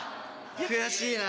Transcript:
悔しいな。